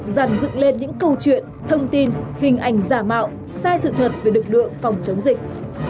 dàn dựng lên những câu chuyện thông tin hình ảnh giả mạo sai sự thật về lực lượng phòng chống dịch